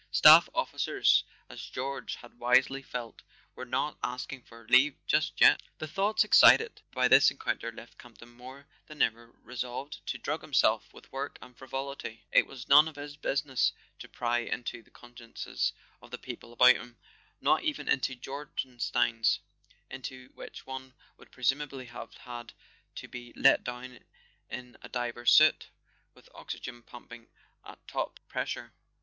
Staff officers, as George had wisely felt, were not asking for leave just yet. .. The thoughts excited by this encounter left Camp¬ ton more than ever resolved to drug himself with work and frivolity. It was none of his business to pry into [ 234 ] A SON AT THE FRONT the consciences of the people about him, not even into Jorgenstein's—into which one would presumably have had to be let down in a diver's suit, with oxygen pump¬ ing at top pressure.